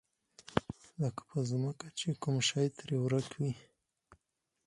لکه په ځمکه چې کوم شی ترې ورک وي.